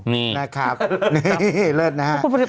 นี่นะครับนี่เลิศนะฮะ